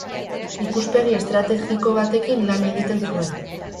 Ikuspegi estrategiko batekin lan egiten zuen.